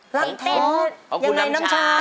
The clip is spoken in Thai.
รักแท้ยังไงน้ำชา